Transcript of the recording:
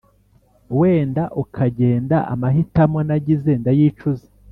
wenda ukagenda, amahitamo nagize ndayicuza